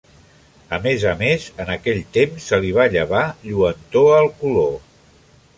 A més a més en aquell temps se li va llevar lluentor al color.